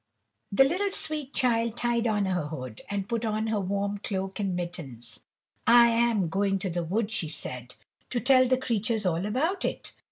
THE little sweet Child tied on her hood, and put on her warm cloak and mittens. "I am going to the wood," she said, "to tell the creatures all about it.